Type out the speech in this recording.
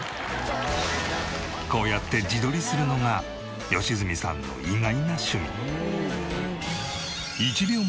こうやって自撮りするのが良純さんの意外な趣味。